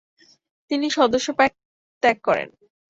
তিনি সদস্য পদ ত্যাগ করেন ।